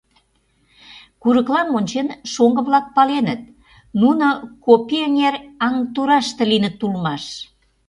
Курыклам ончен, шоҥго-влак паленыт: нуно Копи эҥер аҥ тураште лийыныт улмаш.